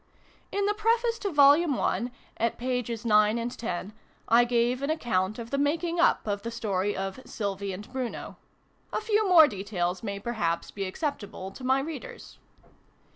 In the Preface to Vol. 1., at pp. ix., x., I gave an account of the making up of the story of " Sylvie and Bruno." A few more details may perhaps be accept able to my Readers.